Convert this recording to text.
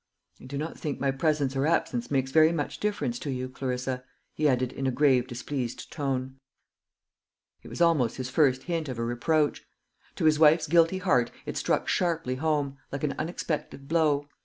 "I do not think my presence or absence makes very much difference to you, Clarissa," he added, in a grave displeased tone. It was almost his first hint of a reproach. To his wife's guilty heart it struck sharply home, like an unexpected blow.